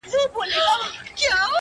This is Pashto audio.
چا له بېري هلته سپوڼ نه سو وهلاى!.